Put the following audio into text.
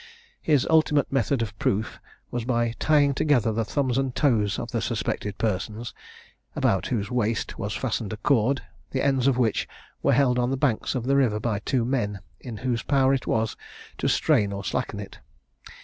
His ultimate method of proof was by tying together the thumbs and toes of the suspected person, about whose waist was fastened a cord, the ends of which were held on the banks of the river by two men, in whose power it was to strain or slacken it.